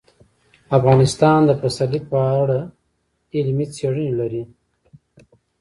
افغانستان د پسرلی په اړه علمي څېړنې لري.